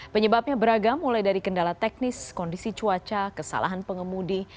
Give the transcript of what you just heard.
penyebabnya beragam mulai dari kendala teknis kondisi cuaca kesalahan pengemudi